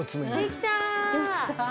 できた。